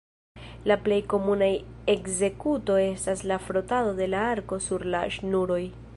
La plej komuna ekzekuto estas la frotado de la arko sur la ŝnuroj.